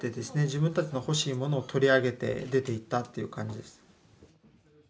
自分たちの欲しいものを取り上げて出ていったっていう感じです。